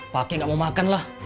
pake gak mau makan lah